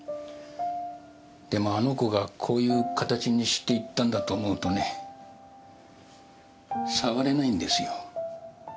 でもあの子がこういう形にしていったんだと思うとね触れないんですよ。